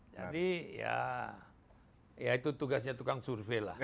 jadi ya itu tugasnya tukang survei lah